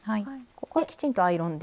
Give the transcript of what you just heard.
ここはきちんとアイロンで。